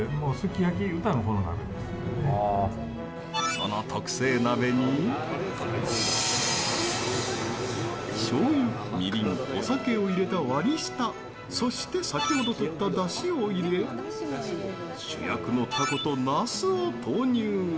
その特製鍋にしょうゆ、みりんお酒を入れた割り下そして先ほどとった、だしを入れ主役のタコとナスを投入。